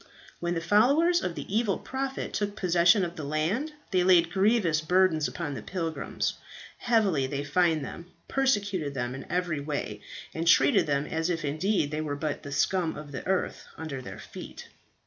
"When the followers of the evil prophet took possession of the land, they laid grievous burdens upon the pilgrims, heavily they fined them, persecuted them in every way, and treated them as if indeed they were but the scum of the earth under their feet.